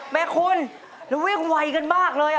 แม่คุณแล้ววิ่งไวกันมากเลย